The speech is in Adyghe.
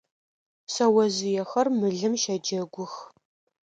Шъэожъыехэр мылым щэджэгух.